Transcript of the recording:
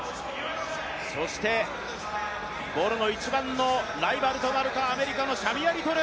そしてボルの一番のライバルとなるか、アメリカのシャミア・リトル。